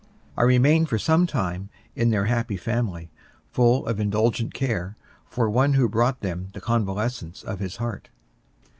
I remained for some time in their happy family, full of indulgent care for one who brought them the convalescence of his heart.